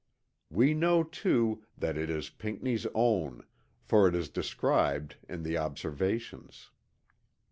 We know too that it is Pinckney's own, for it is described in the Observations.